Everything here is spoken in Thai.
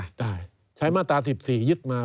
ใช่ใช้มาตรา๑๔ยึดมา